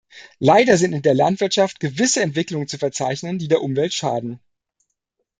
Leider sind in der Landwirtschaft gewisse Entwicklungen zu verzeichnen, die der Umwelt schaden.